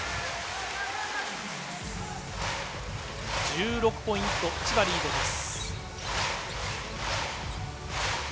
１６ポイント、千葉リードです。